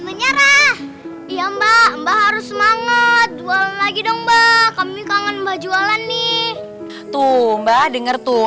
menyerah irma bahut semangat jualan lagi dong mbak kami kangen baca jualan nih tua dengar tuh